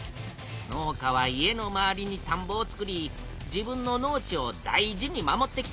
農家は家の周りにたんぼを作り自分の農地を大事に守ってきた。